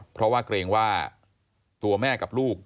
เพราะว่าเกรงว่าตัวแม่กับลูก